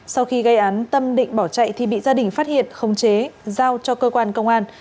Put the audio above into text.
sau khi gây án tâm định bỏ chạy thì bị gia đình phát hiện khống chế giao cho cơ quan công an